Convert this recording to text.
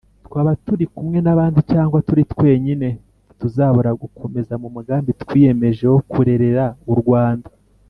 twaba turi kumwe n’abandi cyangwa turi twenyine ntituzabura gukomeza mu mugambi twiyemeje wo kurerera u Rwanda.